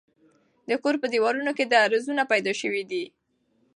د کور په دېوالونو کې درځونه پیدا شوي دي.